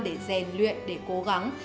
để rèn luyện để cố gắng